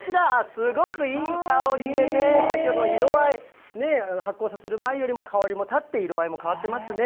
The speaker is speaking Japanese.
すごくいい香りでね、先ほどの色合い、発酵させる前よりも香りも立って、色合いも変わってますね。